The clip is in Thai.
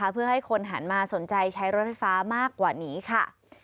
เพื่อให้คนหันมาสนใจใช้รถไฟฟ้ามากกว่านี้ค่ะ